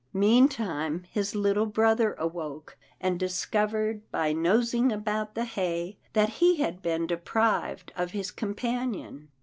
Meantime his little brother awoke, and discovered by nosing about the hay that he had been deprived of his companion.